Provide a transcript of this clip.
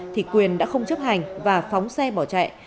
thì quyền đã không chấp hành và phóng xe bỏ chạy